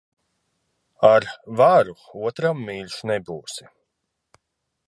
Ar varu otram mīļš nebūsi.